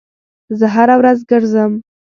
زه هره ورځ ګرځم